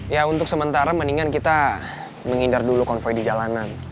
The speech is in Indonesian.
ya untuk sementara mendingan kita menghindar dulu konvoy di jalanan